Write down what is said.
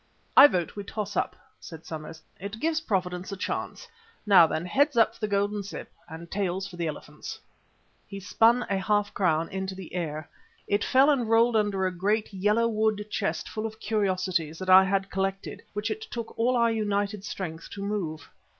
"I vote we toss up," said Somers; "it gives Providence a chance. Now then, heads for the Golden Cyp, and tails for the elephants." He spun a half crown into the air. It fell and rolled under a great, yellow wood chest full of curiosities that I had collected, which it took all our united strength to move.